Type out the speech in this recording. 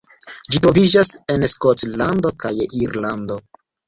Ĝi troviĝas en Skotlando kaj Irlando.